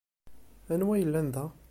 Anwa ay yellan da?